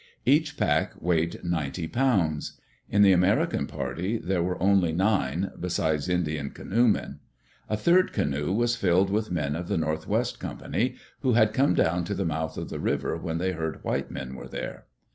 Each pack weighed ninety pounds. In the American party there were only nine, besides Indian canoemen. A third canoe was filled with men of the North West Company, who had come down to the mouth of the river when they heard white men were there.